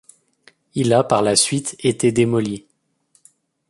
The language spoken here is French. Il a par la suite été démoli.